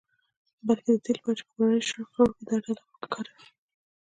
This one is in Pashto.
بلکې د دې لپاره چې په کورنیو شخړو کې دا ډله وکاروي